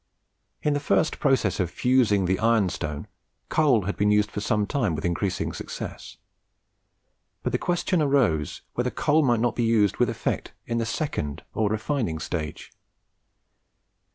In the first process of fusing the ironstone, coal had been used for some time with increasing success; but the question arose, whether coal might not also be used with effect in the second or refining stage.